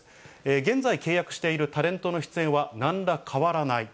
現在契約しているタレントの出演はなんら変わらない。